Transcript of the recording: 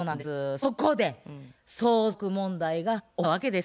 そこで相続問題が起きたわけです。